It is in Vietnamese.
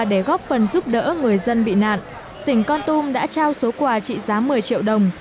để góp phần giúp đỡ người dân bị nạn tỉnh con tum đã trao số quà trị giá một mươi triệu đồng